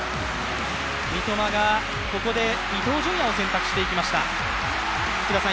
三笘がここで伊東純也を選択していきました。